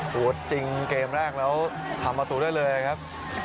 ถือว่าจริงเกมแรกแล้วทำประตูได้เลยครับ